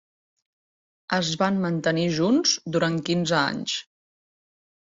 Es van mantenir junts durant quinze anys.